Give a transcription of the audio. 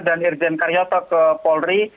dan irjen karyoto ke polri